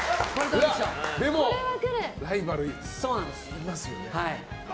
でも、ライバルがいますよね。